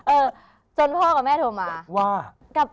เออจนพ่อกับแม่โทรมาว่า